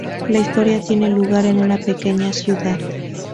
La historia tiene lugar en una pequeña ciudad.